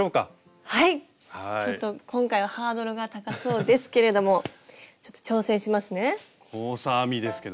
ちょっと今回はハードルが高そうですけれどもちょっと挑戦しますね。